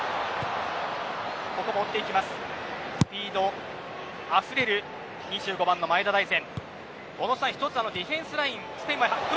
スピードあふれる２５番の前田大然。